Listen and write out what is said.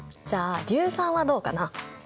じゃあ硫酸はどうかな？